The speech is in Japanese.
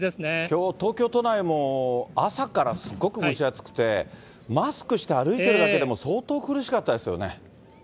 きょう、東京都内も朝からすごく蒸し暑くて、マスクして歩いてるだけでも、相当苦しかったですよね。